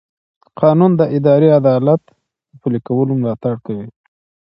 قانون د اداري عدالت د پلي کولو ملاتړ کوي.